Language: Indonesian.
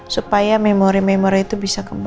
supaya memori memori itu bisa kembali